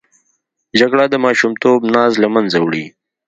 جګړه د ماشومتوب ناز له منځه وړي